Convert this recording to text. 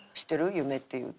『夢』っていう歌。